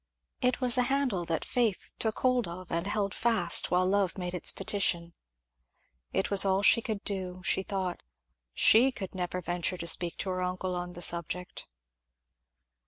'" It was a handle that faith took hold of and held fast while love made its petition. It was all she could do, she thought; she never could venture to speak to her uncle on the subject.